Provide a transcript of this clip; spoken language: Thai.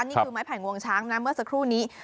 นี่คือไม้ไผ่งวงช้างนะเมื่อสักครู่นี้